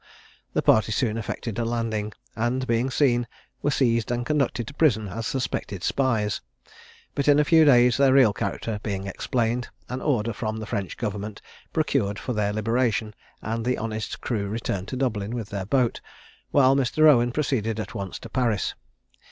The party soon effected a landing, and, being seen, were seized and conducted to prison as suspected spies; but, in a few days, their real character being explained, an order from the French Government procured for their liberation; and the honest crew returned to Dublin with their boat, while Mr. Rowan proceeded at once to Paris.